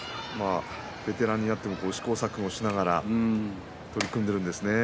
ベテランになっても試行錯誤をしながら取り組んでいるんですね。